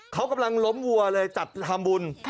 เขากำลังล้มหัวเลยจัดทางธรรมวล